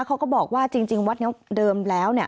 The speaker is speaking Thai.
เขาก็บอกว่าจริงวัดนี้เดิมแล้วเนี่ย